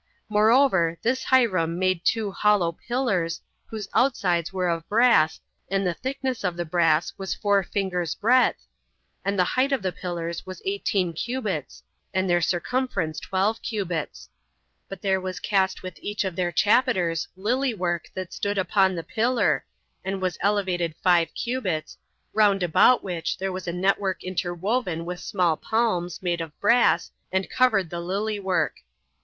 Moreover, this Hiram made two [hollow] pillars, whose outsides were of brass, and the thickness of the brass was four fingers' breadth, and the height of the pillars was eighteen cubits and their circumference twelve cubits; but there was cast with each of their chapiters lily work that stood upon the pillar, and it was elevated five cubits, round about which there was net work interwoven with small palms, made of brass, and covered the lily work.